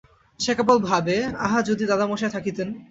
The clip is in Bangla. সে কেবল ভাবে, আহা যদি দাদামহাশয় থাকিতেন!